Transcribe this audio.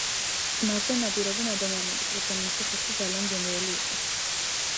მასზე ნადირობდნენ ადამიანებიც, რადგან მისი ხორცი ძალიან გემრიელი იყო.